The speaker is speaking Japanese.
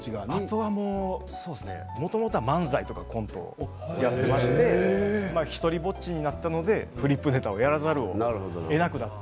もともとは漫才とコントをやっていまして独りぼっちになったのでフリップネタをやらざるをえなくなって。